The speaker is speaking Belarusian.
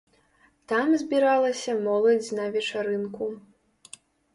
Там збіралася моладзь на вечарынку.